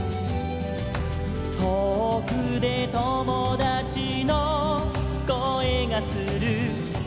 「とおくで友だちの声がする」